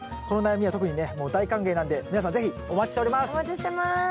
この悩みは特にねもう大歓迎なんで皆さん是非お待ちしております。